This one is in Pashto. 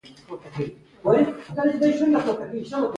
کوټه غټه او گلابي رنګه وه.